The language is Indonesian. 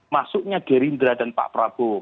masuknya gerindra dan pak prabowo